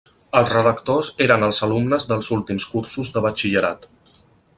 Els redactors eren els alumnes dels últims cursos de batxillerat.